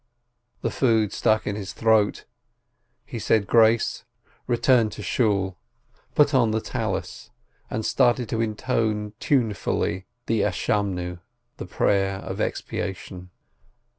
The food stuck in his throat, he said grace, returned to Shool, put on the Tallis, and started to intone tunefully the Prayer of Expiation.